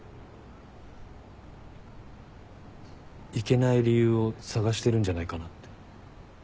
行けない理由を探してるんじゃないかなって。